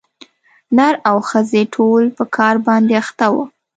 نر او ښځي ټول په کار باندي اخته وه